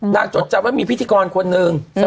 นางจดจำว่ามีพิธีกรคนหนึ่งอืม